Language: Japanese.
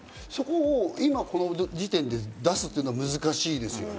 そこを今の時点で出すのは難しいですよね。